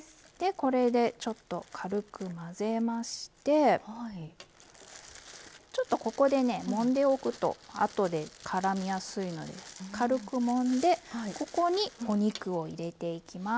これでちょっと軽く混ぜましてここでもんでおくとあとでからみやすいので軽くもんでここにお肉を入れていきます。